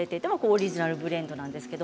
オリジナルブレンドです。